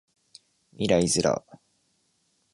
未来ズラ